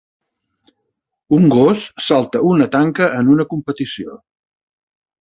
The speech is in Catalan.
Un gos salta una tanca en una competició.